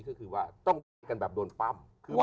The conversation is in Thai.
ก็คือว่าต้องแบบโดนปั้ม